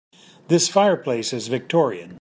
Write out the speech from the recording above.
This fireplace is victorian.